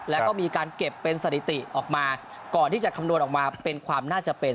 แล้วก็มีการเก็บเป็นสถิติออกมาก่อนที่จะคำนวณออกมาเป็นความน่าจะเป็น